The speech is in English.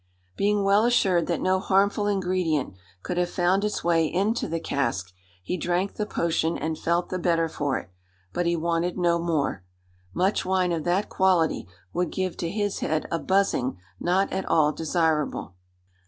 Being well assured that no harmful ingredient could have found its way into the cask, he drank the potion and felt the better for it, but he wanted no more. Much wine of that quality would give to his head a buzzing not at all desirable.